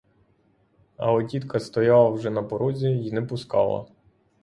Але тітка стояла вже на порозі й не пускала.